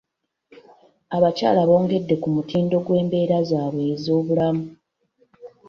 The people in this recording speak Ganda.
Abakyala bongedde ku mutindo gw'embeera zaabwe ez'obulamu.